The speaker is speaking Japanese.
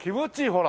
ほら。